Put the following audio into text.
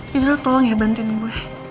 jadi lo tolong ya bantuin gue